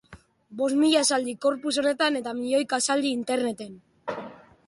Bost mila esaldi corpus honetan eta milioika esaldi interneten.